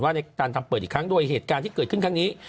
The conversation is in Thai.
ในการทำเปิดอีกครั้งโดยเหตุการณ์ที่เกิดขึ้นครั้งนี้